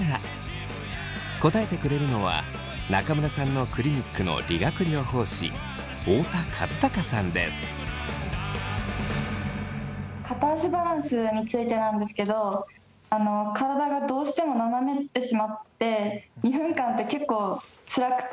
答えてくれるのは中村さんのクリニックの片足バランスについてなんですけど体がどうしても斜めってしまって２分間って結構つらくて。